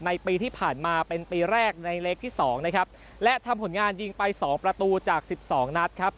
ในปีที่ผ่านมาเป็นปีแรกในเล็กที่สองนะครับและทำผลงานยิงไปสองประตูจากสิบสองนัดครับ